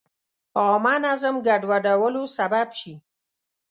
عامه نظم ګډوډولو سبب شي.